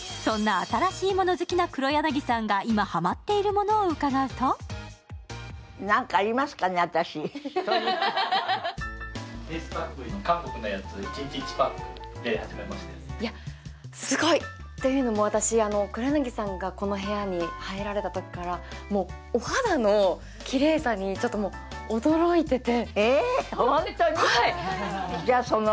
新しい物好きな黒柳さんが今ハマっているものを伺うとすごい！というのも私、黒柳さんがこの部屋に入られたときからお肌のきれいさに驚いていて。